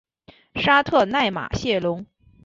沙特奈马谢龙。